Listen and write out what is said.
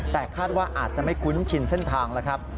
แต่คาดว่าอาจจะไม่คุ้นชินเส้นทางแล้วครับ